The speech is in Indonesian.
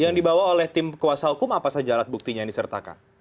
yang dibawa oleh tim kuasa hukum apa saja alat buktinya yang disertakan